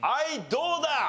どうだ？